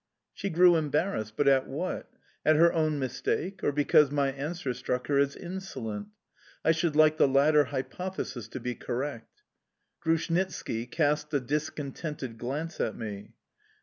She grew embarrassed but at what? At her own mistake, or because my answer struck her as insolent? I should like the latter hypothesis to be correct. Grushnitski cast a discontented glance at me.